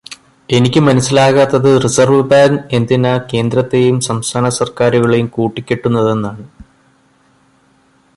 എനിക്ക് മനസ്സിലാകാത്തത് reserve bank എന്തിനാ കേന്ദ്രത്തെയും സംസ്ഥാന സർക്കാരുകളെയും കൂട്ടിക്കെട്ടുന്നതെന്നാണ്?